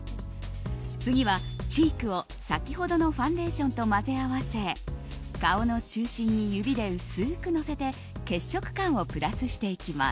次はチークを先ほどのファンデーションと混ぜ合わせ顔の中心に指で薄くのせて血色感をプラスしていきます。